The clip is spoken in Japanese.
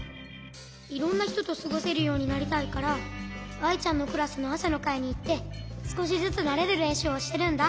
いろんなひととすごせるようになりたいからアイちゃんのクラスのあさのかいにいってすこしずつなれるれんしゅうをしてるんだ。